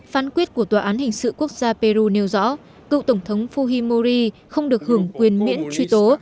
phán quyết của tòa án hình sự quốc gia peru nêu rõ cựu tổng thống fuhimori không được hưởng quyền miễn truy tố